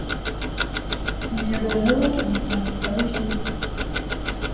Intego nkuru umuryango ugamije ni iyo